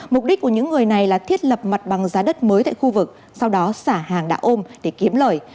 mục đích của những người này là thiết lập mặt bằng giá đất mới tại khu vực sau đó xả hàng đã ôm để kiếm lời